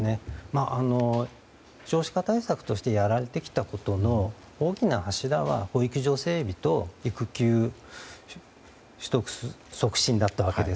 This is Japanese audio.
少子化対策としてやられてきたことの大きな柱が法の整備と育休取得促進だったわけです。